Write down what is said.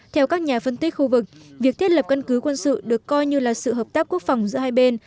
theo các nhà phân tích khu vực việc thiết lập căn cứ quân sự được coi như là sự hợp tác quốc phòng giữa hai bên